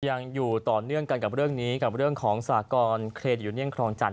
ยังอยู่ต่อเนื่องกันกับเรื่องนี้กับเรื่องของสากรเครดยูเนียนครองจันท